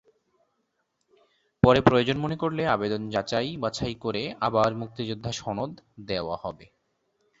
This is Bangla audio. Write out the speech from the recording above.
পরে প্রয়োজন মনে করলে আবেদন যাচাই-বাছাই করে আবার মুক্তিযোদ্ধা সনদ দেওয়া হবে।